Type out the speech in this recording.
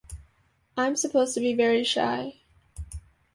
I'm supposed to be very shy.